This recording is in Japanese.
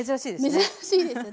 珍しいですね。